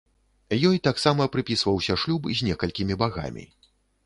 Ёй таксама прыпісваўся шлюб з некалькімі багамі.